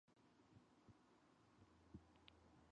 They are also known as the "grey bee".